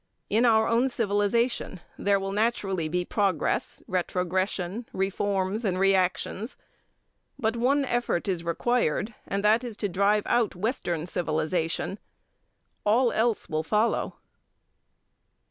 In our own civilization, there will naturally be progress, retrogression, reforms, and reactions; but one effort is required, and that is to drive out Western civilization. All else will follow.